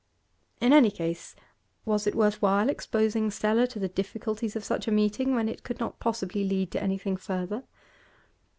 In any case, was it worth while exposing Stella to the difficulties of such a meeting when it could not possibly lead to anything further?